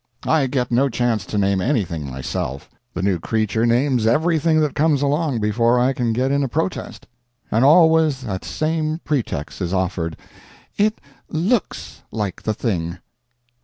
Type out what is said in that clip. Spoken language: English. I get no chance to name anything myself. The new creature names everything that comes along, before I can get in a protest. And always that same pretext is offered it _looks _like the thing.